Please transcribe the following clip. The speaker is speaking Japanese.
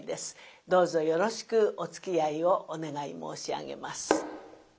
どうぞよろしくおつきあいをお願い申し上げます。